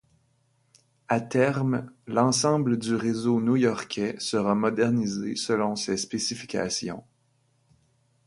À terme, l'ensemble du réseau new-yorkais sera modernisé selon ces spécifications.